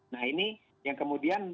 nah ini yang kemudian